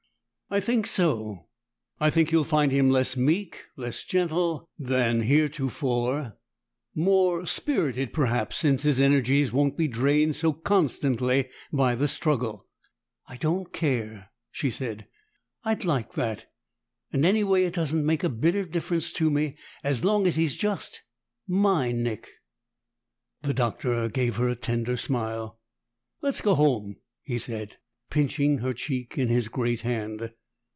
"I think so. I think you'll find him less meek, less gentle, than heretofore. More spirited, perhaps, since his energies won't be drained so constantly by the struggle." "I don't care!" she said. "I'd like that, and anyway, it doesn't make a bit of difference to me as long as he's just my Nick." The Doctor gave her a tender smile. "Let's go home," he said, pinching her cheek in his great hand.